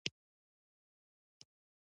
منډه د انسان وجود ته نظم راولي